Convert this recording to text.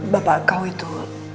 bapak kau itu